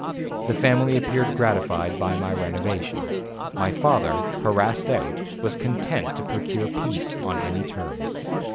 The family appeared gratified by my renovation. My father, harassed out, was content to procure peace on any terms.